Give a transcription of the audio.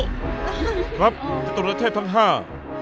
ครับสิทธิ์ต้องระเทศทั้งห้า